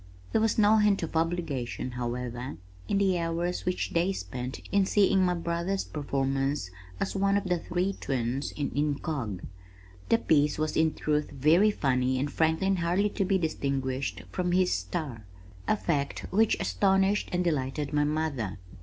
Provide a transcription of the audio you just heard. There was no hint of obligation, however, in the hours which they spent in seeing my brother's performance as one of the "Three Twins" in Incog. The piece was in truth very funny and Franklin hardly to be distinguished from his "Star," a fact which astonished and delighted my mother.